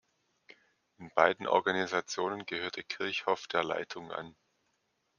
In beiden Organisationen gehörte Kirchhoff der Leitung an.